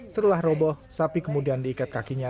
setelah roboh sapi kemudian diikat kakinya